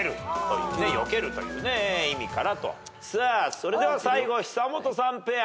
さあそれでは最後久本さんペア。